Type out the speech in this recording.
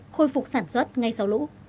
khôi phục sản xuất ngay sau lũ